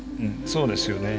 そうですよね。